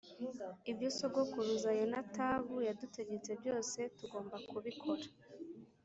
ibyo sogokuruza Yonadabu yadutegetse byose tugomba kubikora